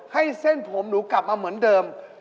เส้นผมหนูกลับมาเหมือนเดิม